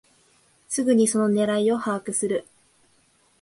すぐにその狙いを把握する